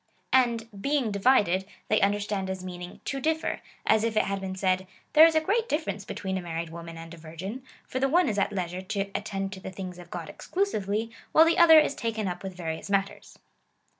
And being divided they understand as meaning to differ, as if it had been said :" There is a great diiference between a married woman and a virgin ; for the one is at leisure to attend to the things of God exclusively, while the other is taken up with various matters."